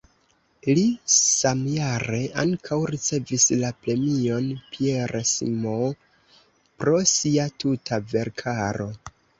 Li samjare ankaŭ ricevis la premion "Pierre Simon" pro sia tuta verkaro.